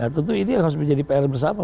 tentu ini harus menjadi pr bersama